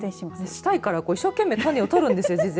したいから一生懸命種を事前に取るんですよ。